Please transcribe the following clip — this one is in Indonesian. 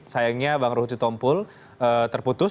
sayangnya bang ruth jutompul terputus